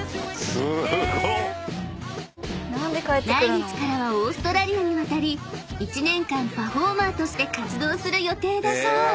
［来月からはオーストラリアに渡り１年間パフォーマーとして活動する予定だそう］